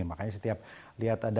makanya setiap lihat ada